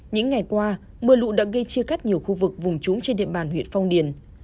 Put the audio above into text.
những ngày qua mưa lũ đã gây chia cắt nhiều khu vực vùng trúng trên địa bàn huyện phong điền